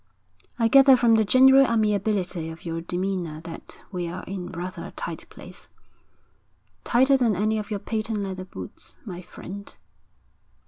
'I gather from the general amiability of your demeanour that we're in rather a tight place.' 'Tighter than any of your patent leather boots, my friend.'